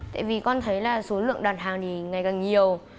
tại vì con thấy là số lượng đặt hàng thì ngày càng nhiều